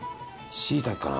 しいたけかな？